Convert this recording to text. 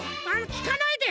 「聞かないで」